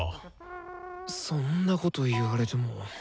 そんなこと言われても。